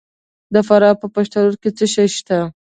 د فراه په پشترود کې څه شی شته؟